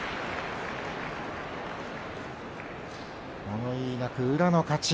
物言いなく宇良の勝ち。